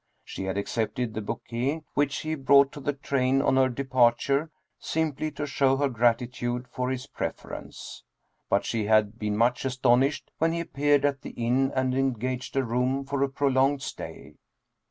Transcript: She had accepted the bouquet which he brought to the train on her departure simply to show her gratitude for his preference. But she had been much astonished when he appeared at the inn and engaged a room for a prolonged stay.